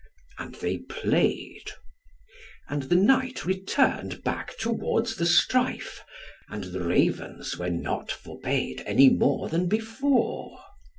And they played. And the knight returned back towards the strife, and the Ravens were not forbade any more than before.